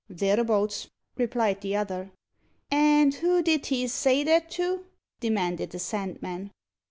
"Thereabouts," replied the other. "And who did he say that to?" demanded the Sandman.